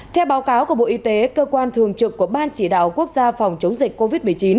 theo báo cáo của bộ y tế cơ quan thường trực của ban chỉ đạo quốc gia phòng chống dịch covid một mươi chín